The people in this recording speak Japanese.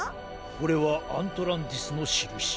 これはアントランティスのしるし。